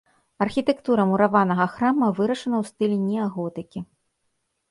Архітэктура мураванага храма вырашана ў стылі неаготыкі.